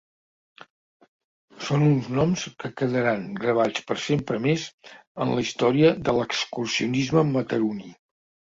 Són uns noms que quedaran gravats per sempre més en la història de l’excursionisme mataroní.